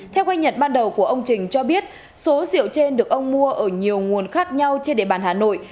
theo quan nhận ban đầu của ông trình cho biết số rượu trên được ông mua ở nhiều nguồn khác nhau trên địa bàn hà nội